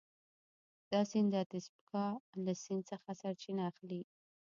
دا سیند د اتبسکا له سیند څخه سرچینه اخلي.